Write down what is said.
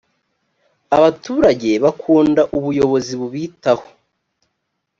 abaturage bakunda ubuyozi bubitaho.